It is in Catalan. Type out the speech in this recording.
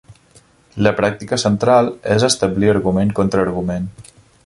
La pràctica central és establir argument contra argument.